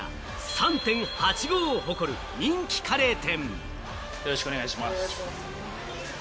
３．８５を誇る人気カレー店。